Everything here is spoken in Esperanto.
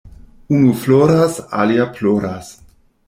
Unu floras, alia ploras.